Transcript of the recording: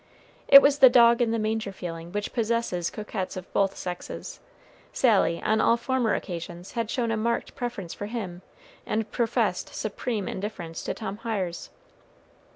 It was the dog in the manger feeling which possesses coquettes of both sexes. Sally, on all former occasions, had shown a marked preference for him, and professed supreme indifference to Tom Hiers.